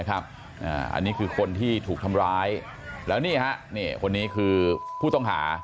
อันนี้คือคนที่ถูกทำร้ายแล้วนี่ฮะคนนี้คือผู้ต้องหา